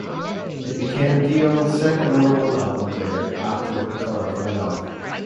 It became Dion's second number-one album there, after "The Colour of My Love".